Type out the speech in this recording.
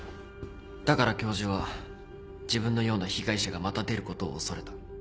だから教授は自分のような被害者がまた出ることを恐れた。